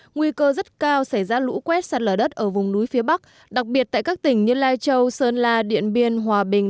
nguy cơ rất cao xảy ra lũ quét sạt lở đất ở vùng núi phía bắc đặc biệt tại các tỉnh như lai châu sơn la điện biên hòa bình